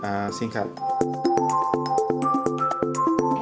apa yang harus kita lakukan untuk mengurangi kecemasan smartphone